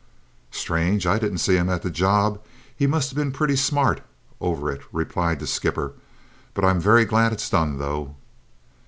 "Strange I didn't see him at the job; he must have been pretty smart over it!" replied the skipper. "But I'm very glad it is done, though."